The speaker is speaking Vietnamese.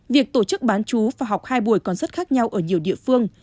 việc tổ chức bán chú và học hai buổi còn rất khác nhau ở nhiều địa phương